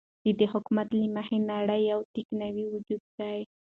ددي حكومت له مخې نړۍ يو تكويني وجود دى ،